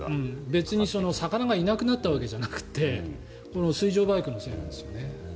別に魚がいなくなったわけじゃなくて水上バイクのせいなんですね。